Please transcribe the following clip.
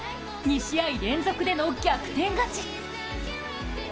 ２試合連続での逆転勝ち。